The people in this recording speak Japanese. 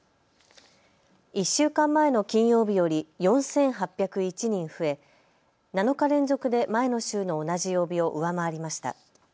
１週間前の金曜日より４８０１人増え７日連続で前の週の同じ曜日を上回りました。